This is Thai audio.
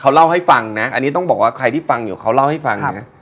เขาเล่าให้ฟังนะอันนี้ต้องบอกว่าใครที่ฟังอยู่เขาเล่าให้ฟังนะ